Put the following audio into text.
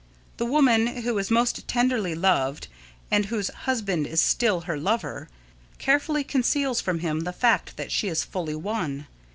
The woman who is most tenderly loved and whose husband is still her lover, carefully conceals from him the fact that she is fully won.